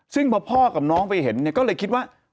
ซึ่งพอพ่อกับน้องไปเห็นเนี่ยก็เลยคิดว่า